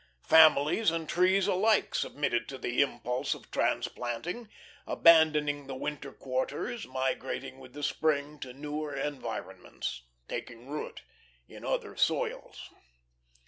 Families and trees alike submitted to the impulse of transplanting, abandoning the winter quarters, migrating with the spring to newer environments, taking root in other soils.